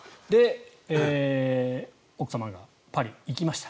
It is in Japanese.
奥様がパリ、行きました。